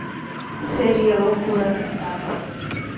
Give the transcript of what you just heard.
Seria loucura tentá-lo